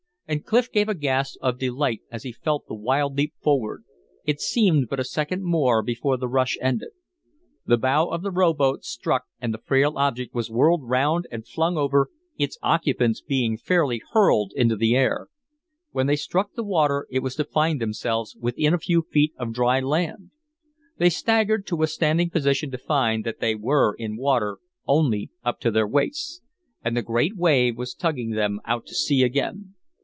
And Clif gave a gasp of delight as he felt the wild leap forward. It seemed but a second more before the rush ended. The bow of the rowboat struck and the frail object was whirled round and flung over, its occupants being fairly hurled into the air. When they struck the water it was to find themselves within a few feet of dry land. They staggered to a standing position to find that they were in water only up to their waists. And the great wave was tugging them out to sea again.